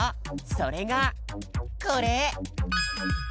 それがこれ！